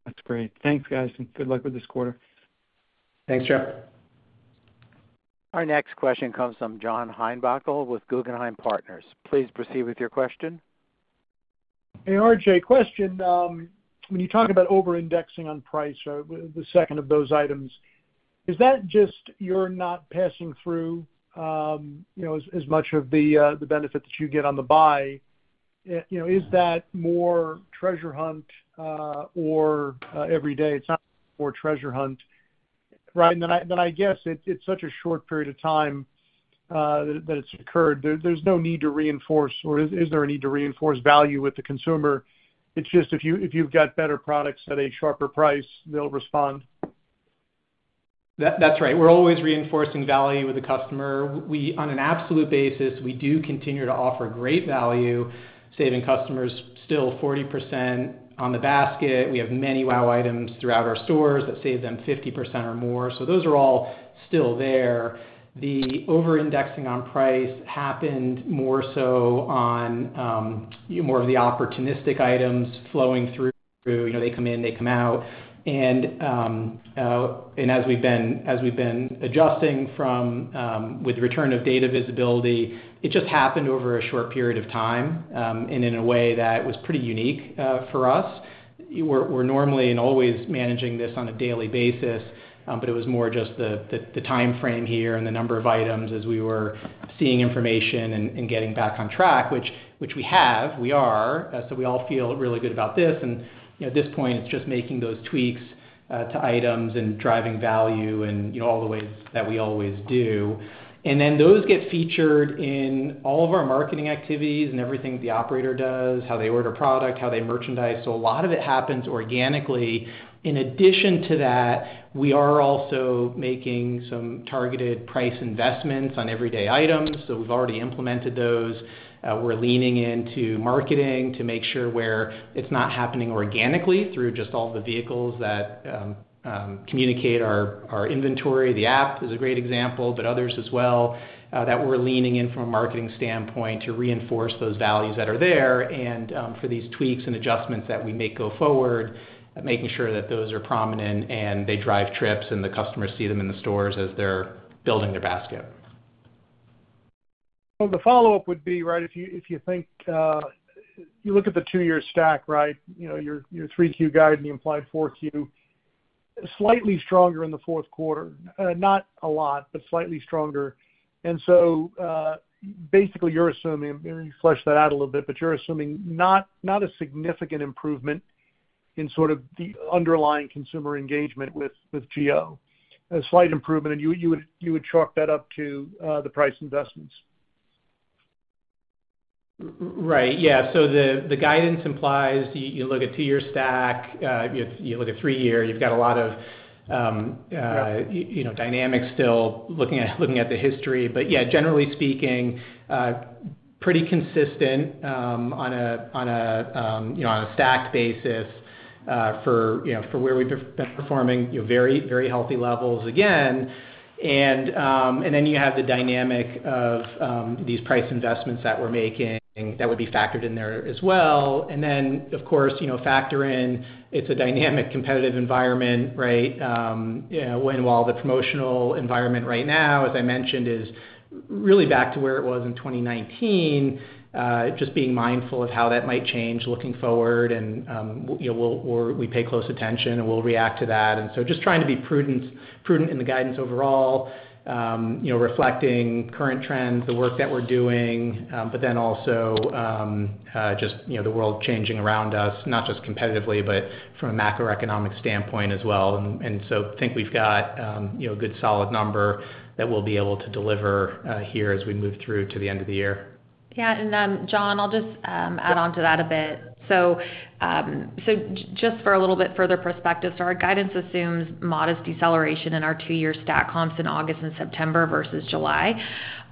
That's great. Thanks, guys, and good luck with this quarter. Thanks, Jeff. Our next question comes from John Heinbockel with Guggenheim Partners. Please proceed with your question. Hey, R.J., question, when you talk about overindexing on price, the second of those items, is that just you're not passing through, you know, as much of the benefit that you get on the buy? You know, is that more Treasure Hunt or every day? It's not more Treasure Hunt, right? Then I guess it's such a short period of time that it's occurred. There's no need to reinforce or is there a need to reinforce value with the consumer? It's just if you've got better products at a sharper price, they'll respond. That's right. We're always reinforcing value with the customer. We, on an absolute basis, we do continue to offer great value, saving customers still 40% on the basket. We have many Wow items throughout our stores that save them 50% or more. So those are all still there. The overindexing on price happened more so on more of the opportunistic items flowing through. You know, they come in, they come out. And as we've been adjusting from, with return of data visibility, it just happened over a short period of time, and in a way that was pretty unique for us. We're normally and always managing this on a daily basis, but it was more just the timeframe here and the number of items as we were seeing information and getting back on track, which we have, we are. So we all feel really good about this. And, you know, at this point, it's just making those tweaks to items and driving value and, you know, all the ways that we always do. And then those get featured in all of our marketing activities and everything the operator does, how they order product, how they merchandise. So a lot of it happens organically. In addition to that, we are also making some targeted price investments on everyday items, so we've already implemented those. We're leaning into marketing to make sure where it's not happening organically through just all the vehicles that communicate our inventory. The app is a great example, but others as well, that we're leaning in from a marketing standpoint to reinforce those values that are there and, for these tweaks and adjustments that we make go forward, making sure that those are prominent and they drive trips and the customers see them in the stores as they're building their basket. Well, the follow-up would be, right, if you, if you think, you look at the two-year stack, right? You know, your, your 3Q guide and the implied 4Q, slightly stronger in the fourth quarter, not a lot, but slightly stronger. And so, basically, you're assuming, maybe flesh that out a little bit, but you're assuming not, not a significant improvement in sort of the underlying consumer engagement with, with GO. A slight improvement, and you, you would, you would chalk that up to, the price investments. Right. Yeah. So the guidance implies you look at two-year stack, you look at three-year, you've got a lot of- Yeah... you know, dynamics still looking at the history. But yeah, generally speaking, pretty consistent on a stack basis for where we've been performing, very healthy levels again. And then you have the dynamic of these price investments that we're making that would be factored in there as well. And then, of course, you know, factor in, it's a dynamic, competitive environment, right? While the promotional environment right now, as I mentioned, is really back to where it was in 2019, just being mindful of how that might change looking forward, and we pay close attention, and we'll react to that. And so just trying to be prudent, prudent in the guidance overall, you know, reflecting current trends, the work that we're doing, but then also, just, you know, the world changing around us, not just competitively, but from a macroeconomic standpoint as well. And, and so think we've got, you know, a good solid number that we'll be able to deliver, here as we move through to the end of the year. Yeah, and, John, I'll just add on to that a bit. So, just for a little bit further perspective, so our guidance assumes modest deceleration in our two-year stack comps in August and September versus July.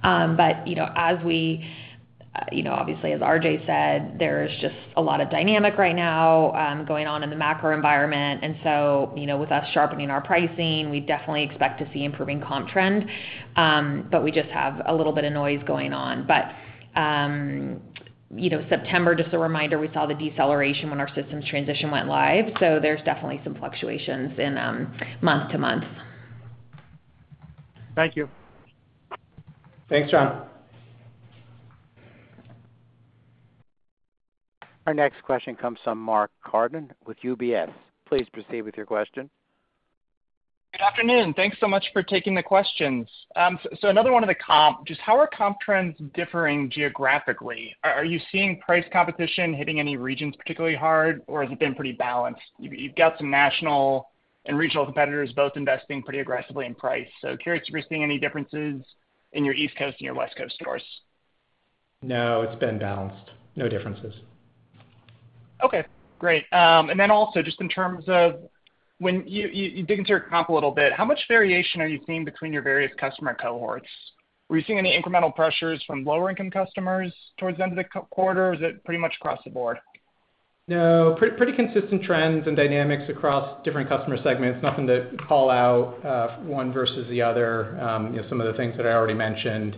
But, you know, as we, you know, obviously, as R.J. said, there's just a lot of dynamic right now going on in the macro environment. And so, you know, with us sharpening our pricing, we definitely expect to see improving comp trend. But we just have a little bit of noise going on. But, you know, September, just a reminder, we saw the deceleration when our systems transition went live, so there's definitely some fluctuations in month-to-month. Thank you. Thanks, John. Our next question comes from Mark Carden with UBS. Please proceed with your question. Good afternoon. Thanks so much for taking the questions. So another one of the comp. Just how are comp trends differing geographically? Are you seeing price competition hitting any regions particularly hard, or has it been pretty balanced? You've got some national and regional competitors both investing pretty aggressively in price. So curious if you're seeing any differences in your East Coast and your West Coast stores. No, it's been balanced. No differences. Okay, great. And then also, just in terms of when you dig into your comp a little bit, how much variation are you seeing between your various customer cohorts? Were you seeing any incremental pressures from lower-income customers towards the end of the quarter, or is it pretty much across the board? No, pretty, pretty consistent trends and dynamics across different customer segments. Nothing to call out, one versus the other. You know, some of the things that I already mentioned,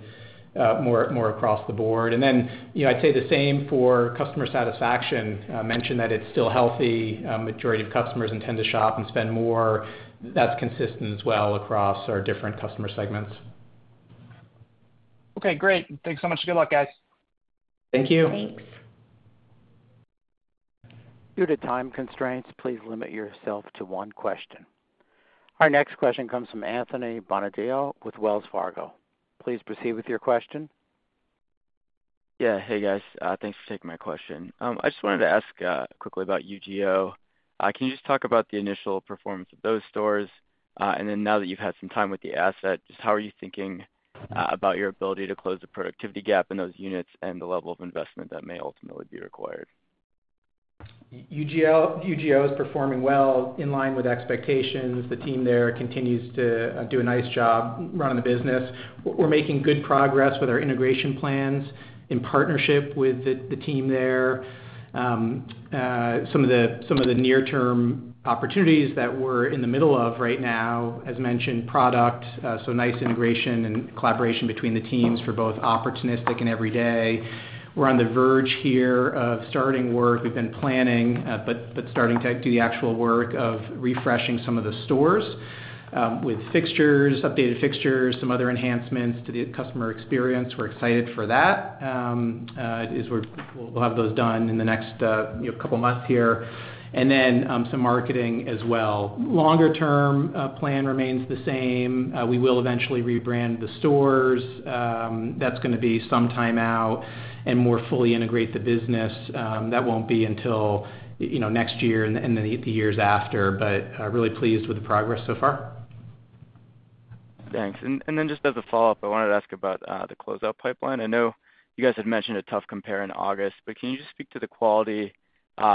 more, more across the board. And then, you know, I'd say the same for customer satisfaction. Mentioned that it's still healthy. Majority of customers intend to shop and spend more. That's consistent as well across our different customer segments. Okay, great. Thanks so much, and good luck, guys. Thank you. Thanks. Due to time constraints, please limit yourself to one question. Our next question comes from Anthony Bonadio with Wells Fargo. Please proceed with your question. Yeah. Hey, guys. Thanks for taking my question. I just wanted to ask, quickly about UGO. Can you just talk about the initial performance of those stores? And then now that you've had some time with the asset, just how are you thinking, about your ability to close the productivity gap in those units and the level of investment that may ultimately be required? UGO is performing well, in line with expectations. The team there continues to do a nice job running the business. We're making good progress with our integration plans in partnership with the team there. Some of the near-term opportunities that we're in the middle of right now, as mentioned, product so nice integration and collaboration between the teams for both opportunistic and every day. We're on the verge here of starting work. We've been planning, but starting to do the actual work of refreshing some of the stores with fixtures, updated fixtures, some other enhancements to the customer experience. We're excited for that. It is we're-- we'll have those done in the next, you know, couple of months here, and then some marketing as well. Longer term, plan remains the same. We will eventually rebrand the stores. That's gonna be some time out and more fully integrate the business. That won't be until, you know, next year and then, and then the years after. But, really pleased with the progress so far. Thanks. And then just as a follow-up, I wanted to ask about the closeout pipeline. I know you guys have mentioned a tough compare in August, but can you just speak to the quality,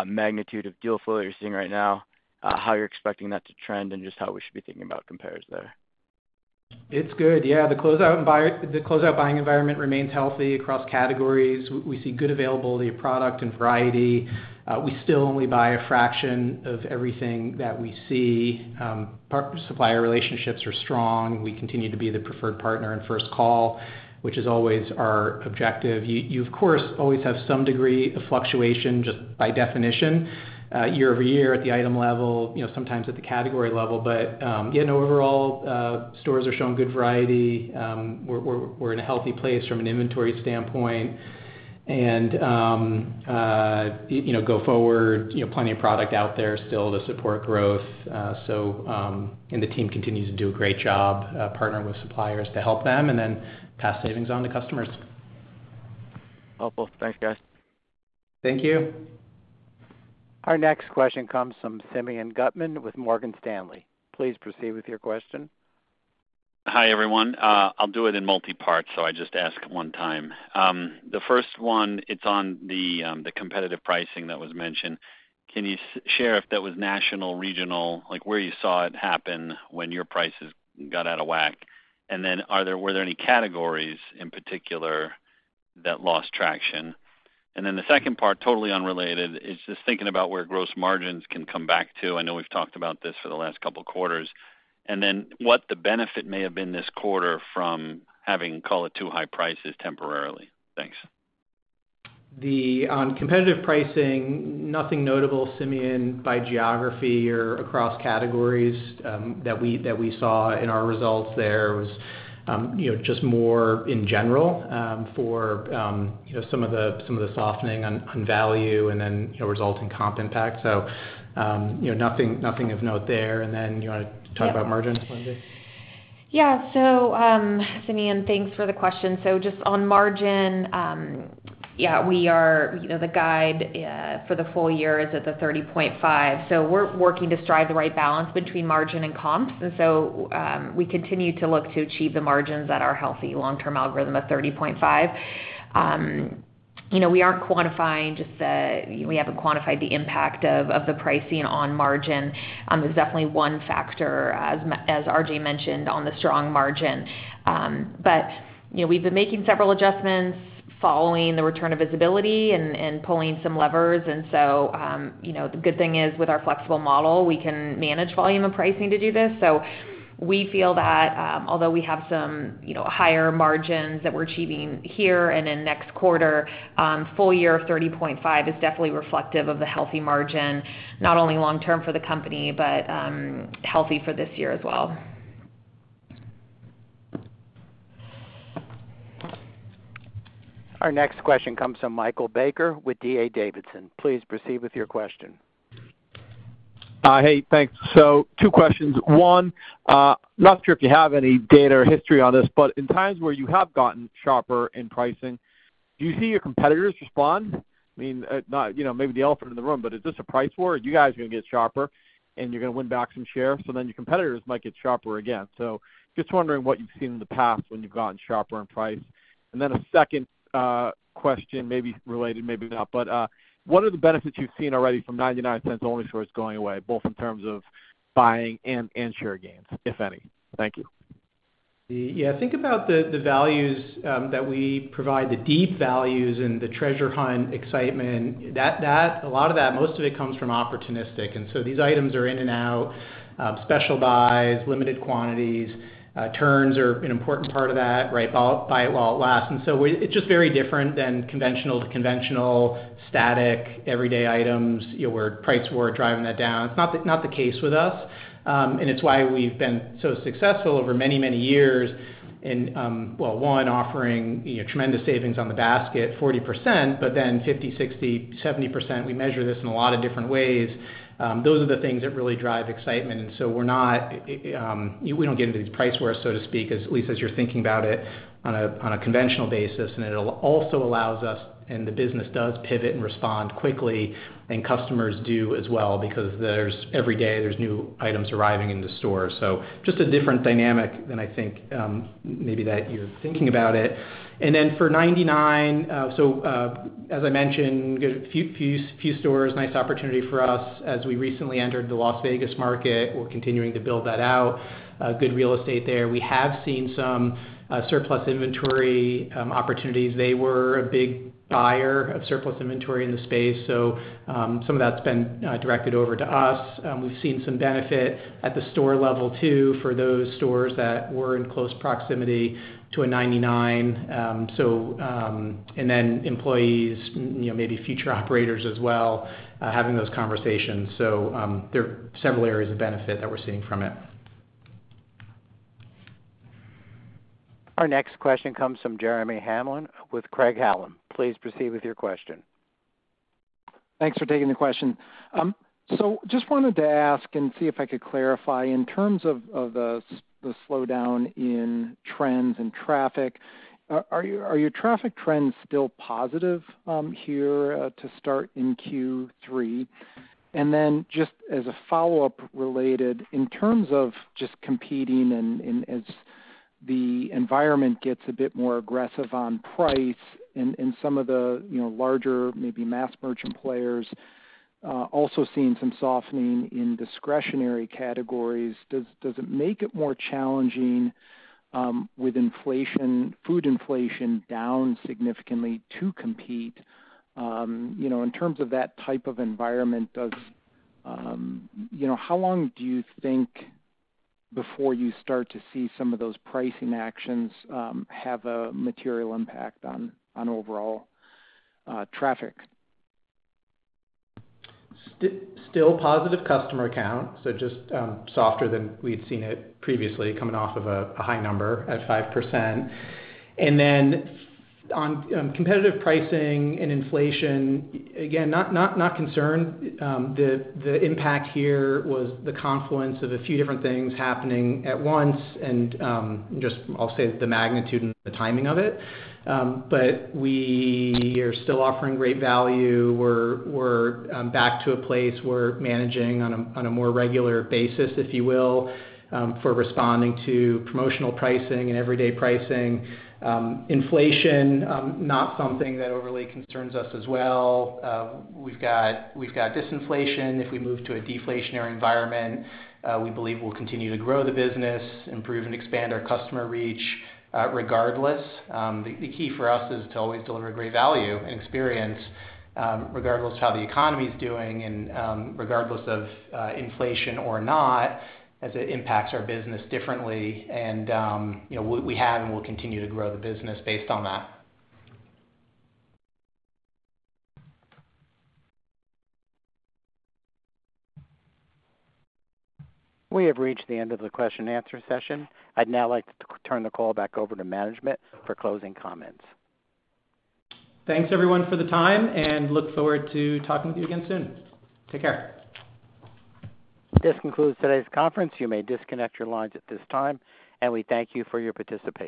magnitude of deal flow that you're seeing right now, how you're expecting that to trend, and just how we should be thinking about compares there? It's good. Yeah, the closeout environment remains healthy across categories. We see good availability of product and variety. We still only buy a fraction of everything that we see. Partner-supplier relationships are strong. We continue to be the preferred partner in first call, which is always our objective. You, of course, always have some degree of fluctuation, just by definition, year-over-year at the item level, you know, sometimes at the category level. But, yeah, no, overall, stores are showing good variety. We're in a healthy place from an inventory standpoint. And, you know, go forward, you know, plenty of product out there still to support growth. So, The team continues to do a great job, partnering with suppliers to help them and then pass savings on to customers. Helpful. Thanks, guys. Thank you. Our next question comes from Simeon Gutman with Morgan Stanley. Please proceed with your question. Hi, everyone. I'll do it in multi parts, so I just ask one time. The first one, it's on the, the competitive pricing that was mentioned. Can you share if that was national, regional, like, where you saw it happen when your prices got out of whack? ... Then were there any categories in particular that lost traction? Then the second part, totally unrelated, is just thinking about where gross margins can come back to. I know we've talked about this for the last couple of quarters, and then what the benefit may have been this quarter from having, call it, two high prices temporarily. Thanks. On competitive pricing, nothing notable, Simeon, by geography or across categories that we saw in our results there. It was, you know, just more in general for you know some of the softening on value and then, you know, resulting comp impact. So, you know, nothing, nothing of note there. And then you want to talk about margins, Lindsay? Yeah. So, Simeon, thanks for the question. So just on margin, yeah, we are—you know, the guide for the full year is at 30.5%. So we're working to strike the right balance between margin and comps. And so, we continue to look to achieve the margins at our healthy long-term algorithm of 30.5%. You know, we aren't quantifying just the... We haven't quantified the impact of the pricing on margin. There's definitely one factor, as R.J. mentioned, on the strong margin. But, you know, we've been making several adjustments following the return of visibility and pulling some levers. And so, you know, the good thing is, with our flexible model, we can manage volume and pricing to do this. So we feel that, although we have some, you know, higher margins that we're achieving here and in next quarter, full year of 30.5 is definitely reflective of the healthy margin, not only long term for the company, but, healthy for this year as well. Our next question comes from Michael Baker with D.A. Davidson. Please proceed with your question. Hey, thanks. So two questions. One, not sure if you have any data or history on this, but in times where you have gotten sharper in pricing, do you see your competitors respond? I mean, not, you know, maybe the elephant in the room, but is this a price war? You guys are going to get sharper, and you're going to win back some share, so then your competitors might get sharper again. So just wondering what you've seen in the past when you've gotten sharper on price. And then a second question, maybe related, maybe not, but what are the benefits you've seen already from 99 Cents Only Stores going away, both in terms of buying and share gains, if any? Thank you. Yeah, think about the, the values, that we provide, the deep values and the treasure hunt excitement. That, that, a lot of that, most of it comes from opportunistic, and so these items are in and out, special buys, limited quantities, turns are an important part of that, right? Buy, buy it while it lasts. And so we—it's just very different than conventional, conventional, static, everyday items, you know, where price were driving that down. It's not the, not the case with us, and it's why we've been so successful over many, many years in, well, one, offering, you know, tremendous savings on the basket, 40%, but then 50%, 60%, 70%. We measure this in a lot of different ways. Those are the things that really drive excitement. So we're not. We don't get into these price wars, so to speak, at least as you're thinking about it on a conventional basis. And it'll also allows us, and the business does pivot and respond quickly, and customers do as well, because every day, there's new items arriving in the store. So just a different dynamic than I think, maybe that you're thinking about it. And then for 99, so, as I mentioned, a few stores, nice opportunity for us. As we recently entered the Las Vegas market, we're continuing to build that out. Good real estate there. We have seen some surplus inventory opportunities. They were a big buyer of surplus inventory in the space, so some of that's been directed over to us. We've seen some benefit at the store level, too, for those stores that were in close proximity to a 99. And then employees, you know, maybe future operators as well, having those conversations. So, there are several areas of benefit that we're seeing from it. Our next question comes from Jeremy Hamblin with Craig-Hallum. Please proceed with your question. Thanks for taking the question. So just wanted to ask and see if I could clarify, in terms of the slowdown in trends and traffic, are your traffic trends still positive here to start in Q3? And then just as a follow-up related, in terms of just competing and as the environment gets a bit more aggressive on price and some of the, you know, larger, maybe mass merchant players also seeing some softening in discretionary categories, does it make it more challenging with food inflation down significantly to compete? You know, in terms of that type of environment, does you know how long do you think before you start to see some of those pricing actions have a material impact on overall traffic? Still positive customer count, so just softer than we'd seen it previously, coming off of a high number at 5%. And then on competitive pricing and inflation, again, not concerned. The impact here was the confluence of a few different things happening at once, and just I'll say, the magnitude and the timing of it. But we are still offering great value. We're back to a place we're managing on a more regular basis, if you will, for responding to promotional pricing and everyday pricing. Inflation not something that overly concerns us as well. We've got disinflation. If we move to a deflationary environment, we believe we'll continue to grow the business, improve and expand our customer reach, regardless. The key for us is to always deliver great value and experience, regardless of how the economy is doing and regardless of inflation or not, as it impacts our business differently. And you know, we have and will continue to grow the business based on that. We have reached the end of the question and answer session. I'd now like to turn the call back over to management for closing comments. Thanks, everyone, for the time, and look forward to talking with you again soon. Take care. This concludes today's conference. You may disconnect your lines at this time, and we thank you for your participation.